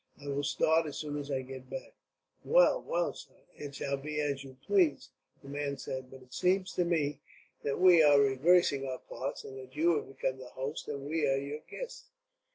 I will start as soon as I get back." "Well, well, sir, it shall be as you please," the man said; "but it seems that we are reversing our parts, and that you have become the host, and we your guests."